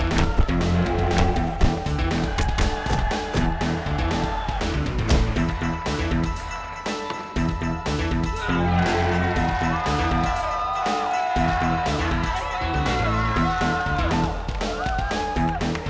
yang pertama ada ini